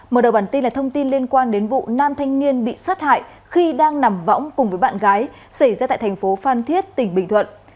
mở đầu bản tin là thông tin liên quan đến vụ nam thanh niên bị sát hại khi đang nằm võng cùng với bạn gái xảy ra tại thành phố phan thiết tỉnh bình thuận